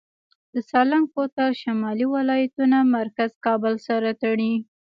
د سالنګ کوتل شمالي ولایتونه مرکز کابل سره تړي